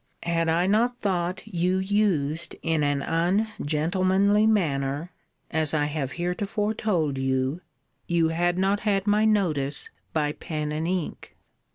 Had I not thought you used in an ungentlemanly manner, as I have heretofore told you, you had not had my notice by pen and ink.